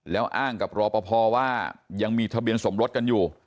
แล้วอ้างกับรอปภว่ายังมีทะเบียนสมรสกันอยู่